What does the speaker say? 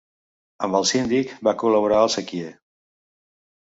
Amb el Síndic va col·laborar el sequier.